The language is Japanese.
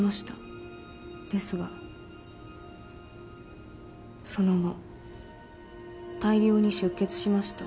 ですがその後大量に出血しました。